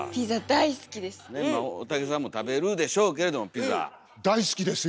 大竹さんも食べるでしょうけれどもピザ。